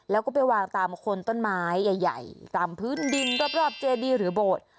แล้วก็ไปวางตามคนต้นไม้ใหญ่ตามพื้นดินรอบเจดีหรือโบสถ์